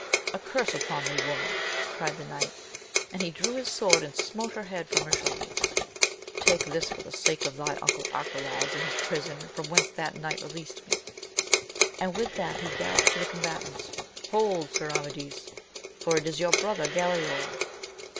A curse upon thee, woman ! cried the knight ; and he drew his sword and smote her head from her shoul ders : take this for the sake of thy uncle Arcalaus and liis prisoQ, from whence that knight released me ! and with that he galloped to the combatants. — Hold, Sir Amadis, for it is your brother Galaor